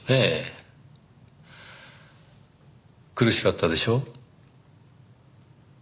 苦しかったでしょう。